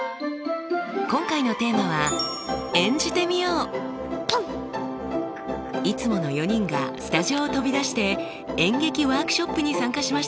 今回のテーマはいつもの４人がスタジオを飛び出して演劇ワークショップに参加しました。